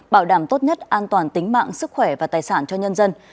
bảo đảm tốt nhất an toàn tính mạng sức khỏe và tài sản cho nhân dân